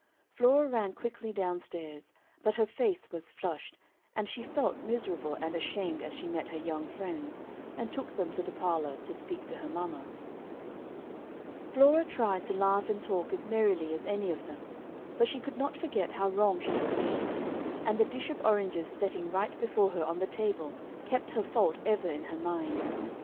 Flora ran quickly down stairs, but her face was flushed, and she felt miserable and ashamed as she met her young friends, and took them to the parlor to speak to her mamma. [Illustration: "Blindman's Buff"] Flora tried to laugh and talk as merrily as any of them, but she could not forget how wrong she had been; and the dish of oranges setting right before her on the table kept her fault ever in her mind.